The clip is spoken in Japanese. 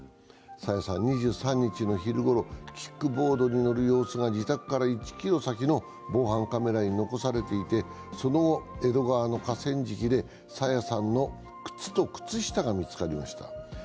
朝芽さんは２３日の昼ごろ、キックボードに乗る様子が自宅から１ｋｍ先の防犯カメラに残されていてその後、江戸川の河川敷で朝芽さんの靴と靴下が見つかりました。